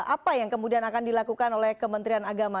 apa yang kemudian akan dilakukan oleh kementerian agama